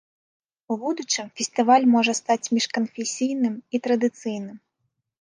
У будучым фестываль можа стаць міжканфесійным і традыцыйным.